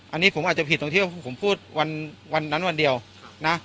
อันนี้ผมอาจจะผิดตรงที่ว่าผมพูดวันนั้นวันเดียวนะ